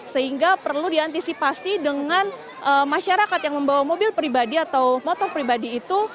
sehingga perlu diantisipasi dengan masyarakat yang membawa mobil pribadi atau motor pribadi itu